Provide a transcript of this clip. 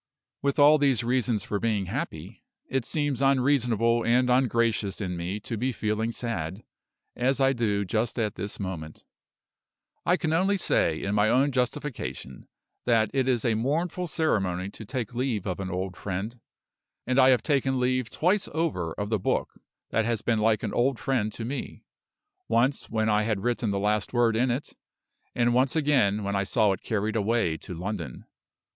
With all these reasons for being happy, it seems unreasonable and ungracious in me to be feeling sad, as I do just at this moment. I can only say, in my own justification, that it is a mournful ceremony to take leave of an old friend; and I have taken leave twice over of the book that has been like an old friend to me once when I had written the last word in it, and once again when I saw it carried away to London.